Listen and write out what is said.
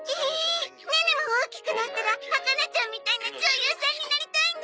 ネネも大きくなったらハカナちゃんみたいな女優さんになりたいな。